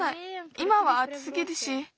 いまはあつすぎるし。